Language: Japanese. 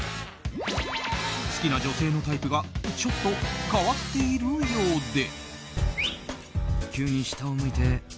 好きな女性のタイプがちょっと変わっているようで。